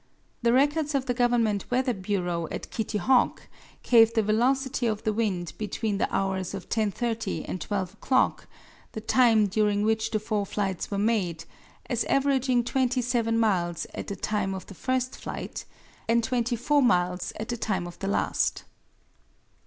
The records of the Government Weather Bureau at Kitty Hawk gave the velocity of the wind between the hours of 10:30 and 12 o'clock, the time during which the four flights were made, as averaging 27 miles at the time of the first flight and 24 miles at the time of the last.